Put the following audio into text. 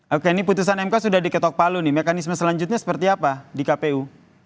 oke ini putusan mk sudah diketok palu nih mekanisme selanjutnya seperti apa di kpu